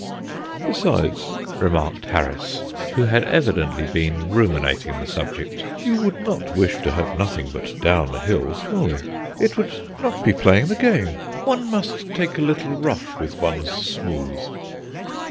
"Besides," remarked Harris, who had evidently been ruminating the subject, "you would not wish to have nothing but downhill, surely. It would not be playing the game. One must take a little rough with one's smooth."